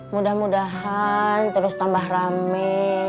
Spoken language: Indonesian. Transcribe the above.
mudah mudahan terus tambah rame